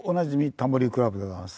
『タモリ倶楽部』でございます。